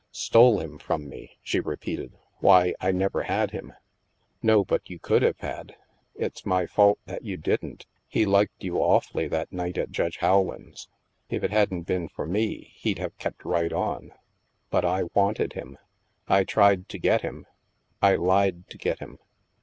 " Stole him from me ?" she repeated. " Why, I never had him." " No, but you could have had. It's my fault that you didn't. He liked you awfully that night at Judge Howland's. If it hadn't been for me, he'd have kept right on. But I wanted him. I tried to get him. I lied to get him.